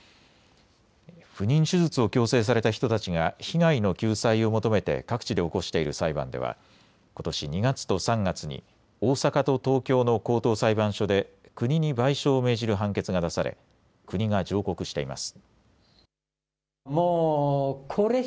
不妊手術を強制された人たちが被害の救済を求めて各地で起こしている裁判ではことし２月と３月に大阪と東京の高等裁判所で国に賠償を命じる判決が出され国が上告しています。